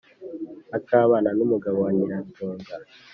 akaba n’umugabo wa Nyiratunga